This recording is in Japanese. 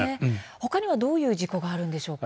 ほかにはどういう事故があるんでしょうか。